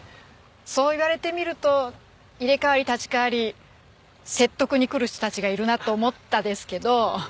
そう言われてみると入れ替わり立ち替わり説得に来る人たちがいるなと思ったんですけど。